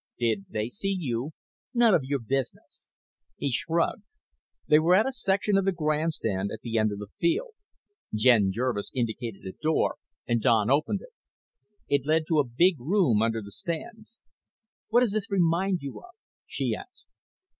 "Did they see you?" "None of your business." He shrugged. They were at a section of the grandstand at the end of the field. Jen Jervis indicated a door and Don opened it. It led to a big room under the stands. "What does this remind you of?" she asked.